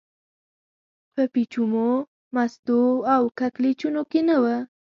په پېچومو، مستو او کږلېچونو کې نه و.